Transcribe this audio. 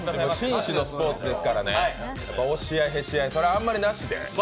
紳士のスポーツですからね、押し合いへし合い、あまりなしで。